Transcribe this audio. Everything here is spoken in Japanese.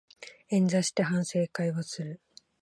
円座して反省会をする